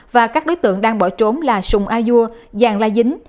và các đối tượng đang bỏ trốn là sùng a dua giàng la dính